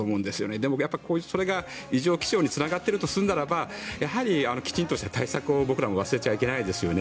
でもそれが異常気象につながってるとするならばやはり、きちんとした対策を僕らも忘れちゃいけないですね。